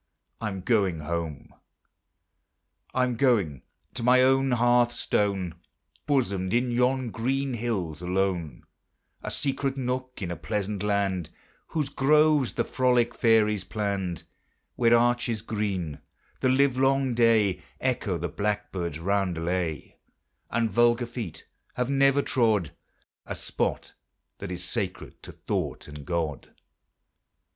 I'm going home. I'm going to my own hearth stone, Bosomed in yon green hills alone, A secret nook in a pleasant land, Whose groves the frolic fairies planned; Where arches green, the livelong day, Echo the blackbird's roundelay, And vulgar feet have never trod A spot that is sacred to thought and God.